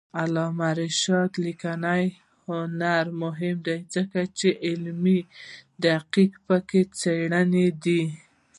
د علامه رشاد لیکنی هنر مهم دی ځکه چې علمي دقت پکې څرګند دی.